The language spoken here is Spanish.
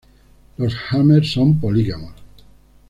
Los hamer son polígamos.